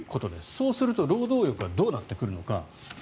そうすると、労働力はどうなってくるのか。